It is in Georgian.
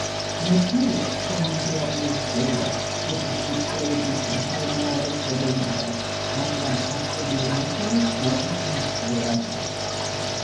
მართალია, ჩვენამდე არ მოუღწევია ზეპირსიტყვიერების მთელ მრავალფეროვნებას, მაგრამ, არსებული მასალაც ძალზედ მნიშვნელოვანია.